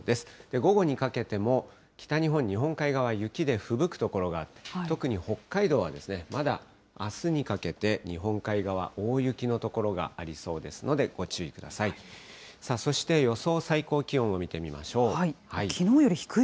午後にかけても、北日本、日本海側、雪でふぶく所があって、特に北海道は、まだあすにかけて日本海側、大雪の所がありそうですので、ご注意ください。